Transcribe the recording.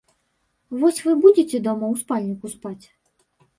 Вось вы будзеце дома ў спальніку спаць?